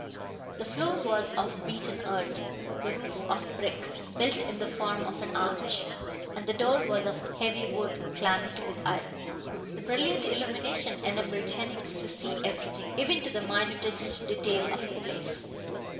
The floor was of beaten earth, the roof of brick, built in the form of an arch, and the door was of heavy wood clamped with iron. The brilliant illumination enabled Jennings to see everything, even to the minutest detail of the place.